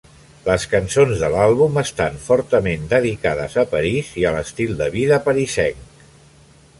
Les cançons de l'àlbum estan fortament dedicades a París i a l'estil de vida parisenc.